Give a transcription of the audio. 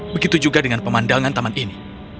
begitu juga dengan pemandangan taman ini